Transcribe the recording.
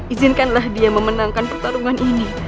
izinkanlah dia memenangkan pertarungan ini